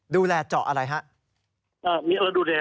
ดูแลเจาะอะไรครับ